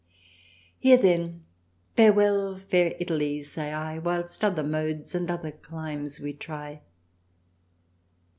Here then Farewell Fair Italy say I Whilst other Modes and other climes we try."